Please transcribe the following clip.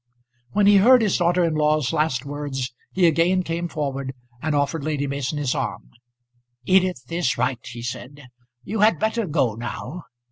When he heard his daughter in law's last words he again came forward, and offered Lady Mason his arm. "Edith is right," he said. "You had better go now.